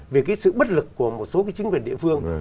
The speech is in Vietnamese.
về sự bất lực của một số chính quyền địa phương